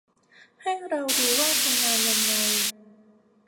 ให้เราดูว่าทำงานยังไง